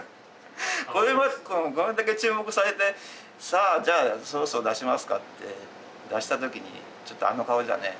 これだけ注目されてさあじゃあそろそろ出しますかって出した時にちょっとあの顔じゃね。